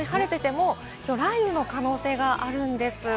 こんなに晴れてても雷雨の可能性があるんです。